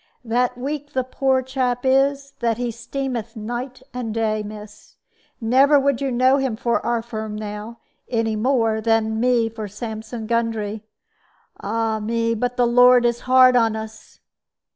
That weak the poor chap is that he streameth night and day, miss. Never would you know him for our Firm now, any more than me for Sampson Gundry. Ah me! but the Lord is hard on us!"